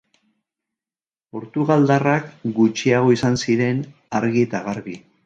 Portugaldarrak gutxiago izan ziren, argi eta garbi.